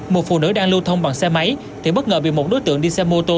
một phụ nữ đang lưu thông bằng xe máy thì bất ngờ bị một đối tượng đi xe mô tô